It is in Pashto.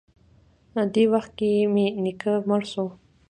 دې وخت کښې مې نيکه مړ سو.